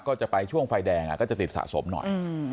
ก็จะไปช่วงไฟแดงก็จะติดสะสมหน่อย